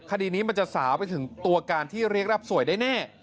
คดีนี้มันจะสาวไปถึงตัวการที่เรียกรับสวยได้แน่